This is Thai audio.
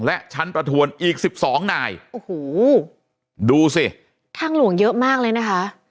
และชั้นประทวนอีกสิบสองนายโอ้โหดูสิทางหลวงเยอะมากเลยนะคะ